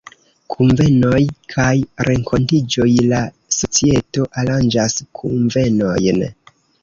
Kunvenoj kaj renkontiĝoj: La societo aranĝas kunvenojn.